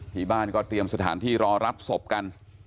ที่บ้านก็เตรียมสถานที่รอรับศพกัน